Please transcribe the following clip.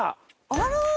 あら！